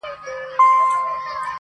زاغ نيولي ځالګۍ دي د بلبلو؛